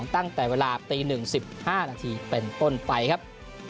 ตั้งแต่เวลาตี๑๑๕นาทีเป็นต้นไปครับ